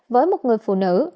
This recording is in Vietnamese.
với một người phụ nữ